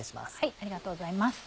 ありがとうございます。